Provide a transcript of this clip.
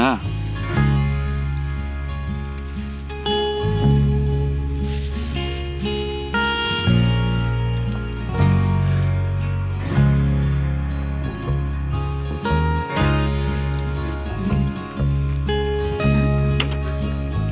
อืม